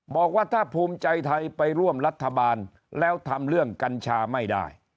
บอกว่าถ้าภูมิใจไทยไปร่วมรัฐบาลแล้วทำเรื่องกัญชาไม่ได้